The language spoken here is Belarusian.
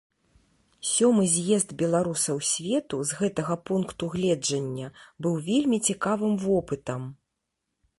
Сёмы з'езд беларусаў свету з гэтага пункту гледжання быў вельмі цікавым вопытам.